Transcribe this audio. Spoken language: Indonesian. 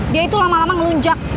dia itu lama lama melunjak